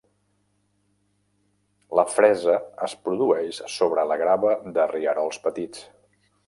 La fresa es produeix sobre la grava de rierols petits.